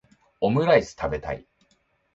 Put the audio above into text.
オムライス食べたい